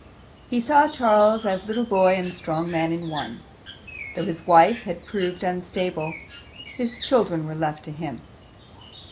He saw Charles as little boy and strong man in one. Though his wife had proved unstable his children were left to him.